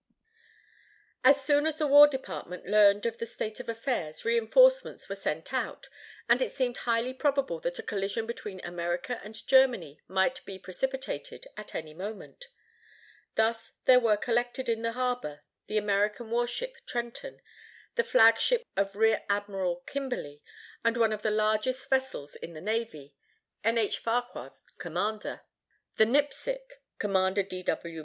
As soon as the War Department learned of the state of affairs, reinforcements were sent out, and it seemed highly probable that a collision between America and Germany might be precipitated at any moment. Thus, there were collected in the harbor the American warship Trenton, the flag ship of Rear Admiral Kimberly, and one of the largest vessels in the navy, N. H. Farquhar, Commander: the Nipsic, Commander D. W.